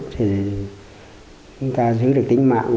thì chúng ta giữ được tính mạng